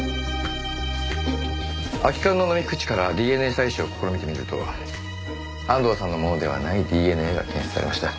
空き缶の飲み口からＤＮＡ採取を試みてみると安藤さんのものではないＤＮＡが検出されました。